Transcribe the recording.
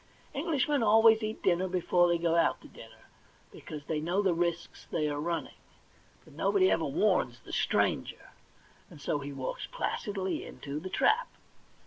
Englishmen always eat dinner before they go out to dinner, because they know the risks they are running ; but nobody ever warns the stranger, and so he walks placidly into the trap.